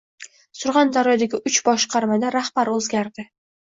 Surxondaryodagi uch boshqarmada rahbar o‘zgardi